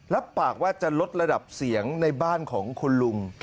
รับปากว่าจะลดระดับเสียงในบ้านของคุณลุง